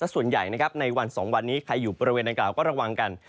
ส่วนใหญ่ในวัน๒วันนี้ใครอยู่บริเวณดังกล่าก็ระวังกัน